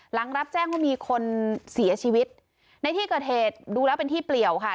หลังรับแจ้งว่ามีคนเสียชีวิตในที่เกิดเหตุดูแล้วเป็นที่เปลี่ยวค่ะ